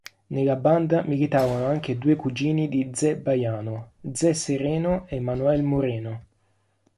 Nella banda militavano anche due cugini di Zé Baiano: Zé Sereno e Manoel Moreno.